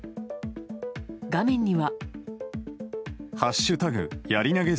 画面には。